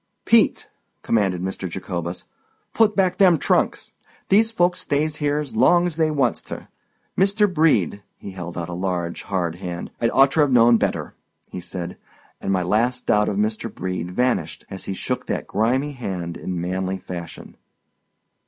"Pete!" commanded Mr. Jacobus, "put back them trunks. These folks stays here's long's they wants ter. Mr. Brede"—he held out a large, hard hand—"I'd orter've known better," he said. And my last doubt of Mr. Brede vanished as he shook that grimy hand in manly fashion.